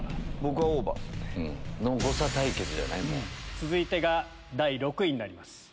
続いてが第６位になります。